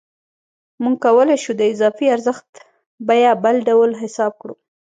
موږ کولای شو د اضافي ارزښت بیه بله ډول حساب کړو